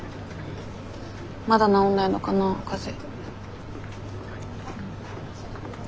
まだ治んないのかな風邪。